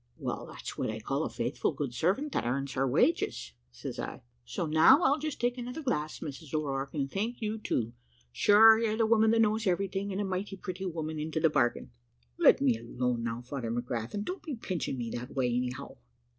"`Well, that's what I call a faithful good servant that earns her wages,' says I; `so now I'll just take another glass, Mrs O'Rourke, and thank you too. Sure you're the woman that knows everything, and a mighty pretty woman into the bargain.' "`Let me alone now, Father McGrath, and don't be pinching me that way anyhow.'